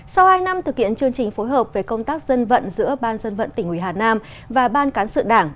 sau hai năm thực hiện chương trình phối hợp về công tác dân vận giữa ban dân vận tỉnh ủy hà nam và ban cán sự đảng